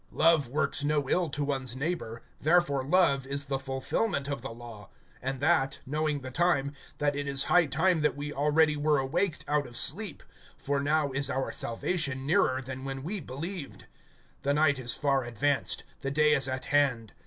(10)Love works no ill to one's neighbor; therefore love is the fulfillment of the law. (11)And that, knowing the time, that it is high time that we already were awaked out of sleep; for now is our salvation nearer than when we believed. (12)The night is far advanced, the day is at hand.